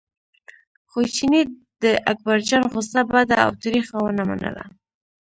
خو چیني د اکبرجان غوسه بده او تریخه ونه منله.